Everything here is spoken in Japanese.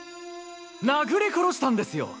殴り殺したんですよ！